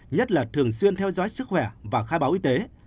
nhất là thường xuyên theo dõi sức khỏe và khai báo y tế